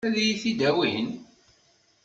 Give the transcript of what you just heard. Ad iyi-t-id-awin?